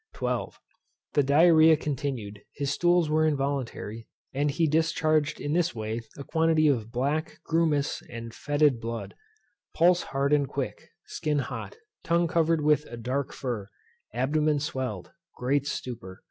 12. The Diarrhoea continued; his stools were involuntary; and he discharged in this way a quantity of black, grumous, and foetid blood. Pulse hard and quick; skin hot; tongue covered with a dark fur; abdomen swelled; great stupor.